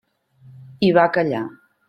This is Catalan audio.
I va callar.